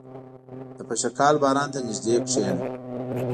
• د پشکال باران ته نږدې کښېنه.